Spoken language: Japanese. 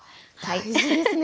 大事ですね。